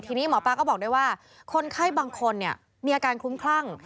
ทีนี้หมอปลาก็บอกด้วยว่าคนไข้บางคนมีอาการคลุ้มคลั่ง